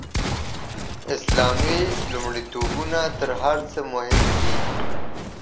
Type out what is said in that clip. اسلامي لومړیتوبونه تر هر څه مهم دي.